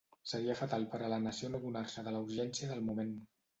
Seria fatal per a la nació no adonar-se de la urgència del moment.